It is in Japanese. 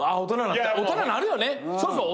大人になるよね。